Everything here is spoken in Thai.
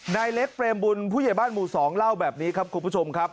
นายเล็กเปรมบุญผู้ใหญ่บ้านหมู่๒เล่าแบบนี้ครับคุณผู้ชมครับ